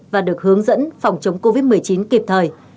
và được hướng dẫn phòng chống covid một mươi chín kịp thời